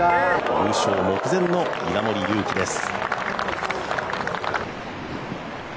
優勝目前の稲森佑貴です。